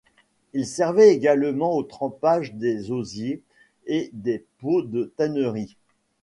Il servait également au trempage des osiers et des peaux de tannerie.